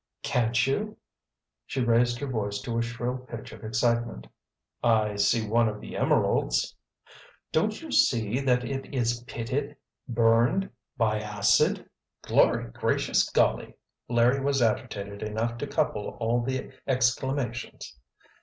Can't you?" She raised her voice to a shrill pitch of excitement. "I see one of the emeralds——" "Don't you see that it is pitted—burned—by acid?" "Glory gracious golly!" Larry was agitated enough to couple all the exclamations.